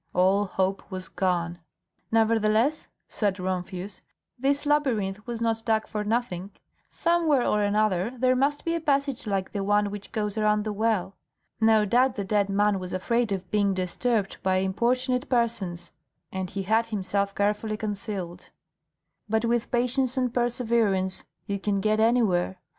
All hope was gone. "Nevertheless," said Rumphius, "this labyrinth was not dug for nothing. Somewhere or another there must be a passage like the one which goes around the well. No doubt the dead man was afraid of being disturbed by importunate persons and he had himself carefully concealed; but with patience and perseverance you can get anywhere.